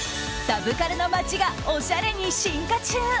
サブカルの街がオシャレに進化中。